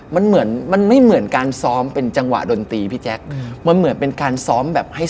เคยดูเพื่อนซ้อมครับ